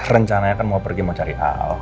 rencananya kan mau pergi mencari al